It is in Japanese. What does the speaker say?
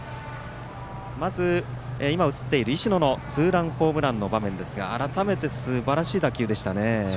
まず、石野のツーランホームランの場面ですが改めてすばらしい打球でしたね。